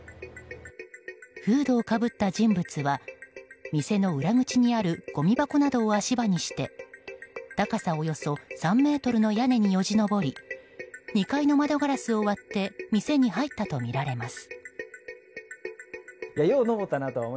フードをかぶった人物は店の裏口にあるごみ箱などを足場にして高さおよそ３ｍの屋根によじ登り２階の窓ガラスを割って店に入ったとみられます。